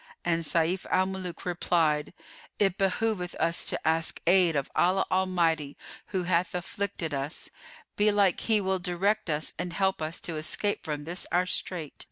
and Sayf al Muluk replied, "It behoveth us to ask aid of Allah Almighty who hath afflicted us; belike He will direct us and help us to escape from this our strait."